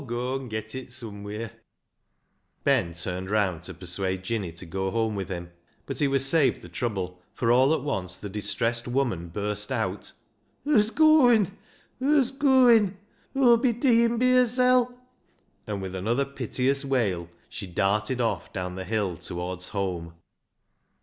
Aw'll goa and get it somewheer." 15 226 BECKSIDE LIGHTS Ben turned round to persuade Jinny to go home with him, but he was saved the trouble, for all at once the distressed woman burst out —" Hoo's gooin' ! Hoo's gooin'? Hoo'll be deein' bi hersel'," and with another piteous wail she darted off down the hill towards home.